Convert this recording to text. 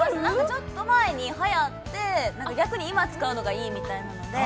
ちょっと前に、はやって、逆に今、使うのがいいみたいなので。